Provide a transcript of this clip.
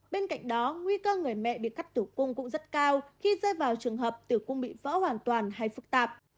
bên cạnh đó nguy cơ người mẹ bị cắt tử cung cũng rất cao khi rơi vào trường hợp tử cung bị vỡ hoàn toàn hay phức tạp